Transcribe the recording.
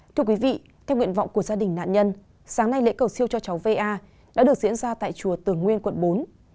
thưa quý vị theo nguyện vọng của gia đình nạn nhân sáng nay lễ cầu siêu cho cháu va đã được diễn ra tại chùa tưởng nguyên quận bốn